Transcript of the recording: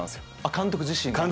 監督自身が。